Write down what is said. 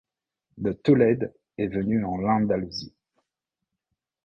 De Tolède est venu en l'Andalousie.